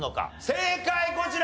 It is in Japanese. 正解こちら。